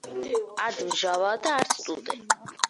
არც მჟავაა და არც ტუტე.